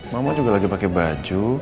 mama juga lagi pakai baju